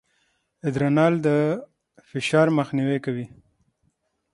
ادرانال د فشار مخنیوی کوي.